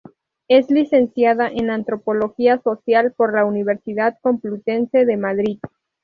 Es licenciada en Antropología Social por la Universidad Complutense de Madrid.